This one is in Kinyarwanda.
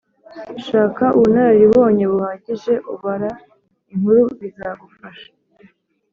shaka ubunararibonye buhagije ubara inkuru bizagufasha